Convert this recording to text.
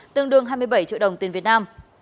tương đương hai mươi bảy triệu đồng tiền việt nam